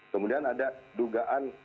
kemudian ada dugaan